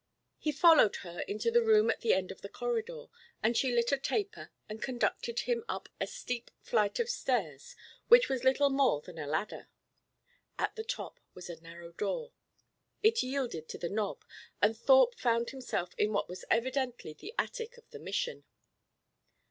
He followed her into the room at the end of the corridor, and she lit a taper and conducted him up a steep flight of stairs which was little more than a ladder. At the top was a narrow door. It yielded to the knob, and Thorpe found himself in what was evidently the attic of the Mission.